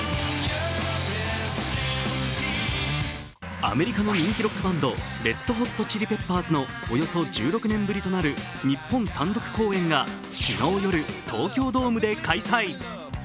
アメリカの人気ロックバンドＲｅｄＨｏｔＣｈｉｌｉＰｅｐｐｅｒｓのおよそ１６年ぶりとなる日本単独公演が昨日夜、東京ドームで開催。